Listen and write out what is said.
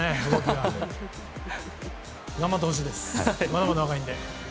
まだまだ若いんで。